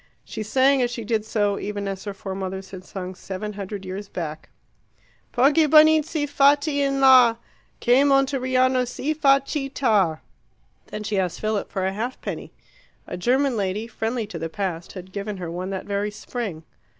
She sang as she did so, even as her foremothers had sung seven hundred years back Poggibonizzi, fatti in la, Che Monteriano si fa citta! Then she asked Philip for a halfpenny. A German lady, friendly to the Past, had given her one that very spring.